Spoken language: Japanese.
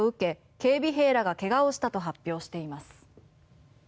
警備兵らが怪我をしたと発表しています。